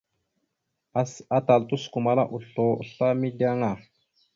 Atal tosəkomala oslo asla mideŋ a.